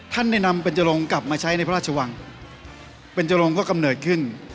ท่านได้นำเป็นจรงกลับมาใช้ในพระราชวังเป็นจรงก็กำเนิดขึ้น